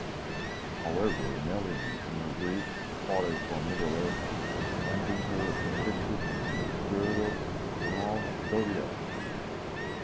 However, Melian, in her grief, departed from Middle-earth, ending her protective girdle around Doriath.